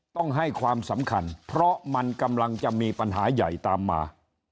ต้องให้ความสำคัญเพราะมันกำลังจะมีปัญหาใหญ่ตามมา